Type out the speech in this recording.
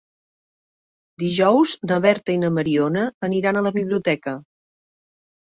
Dijous na Berta i na Mariona aniran a la biblioteca.